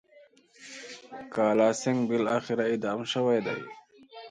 کالاسینګهـ بالاخره اعدام شوی دی.